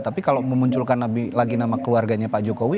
tapi kalau memunculkan lagi nama keluarganya pak jokowi